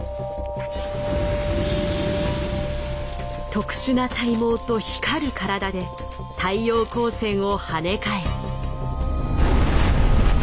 特殊な体毛と光る体で太陽光線をはね返す。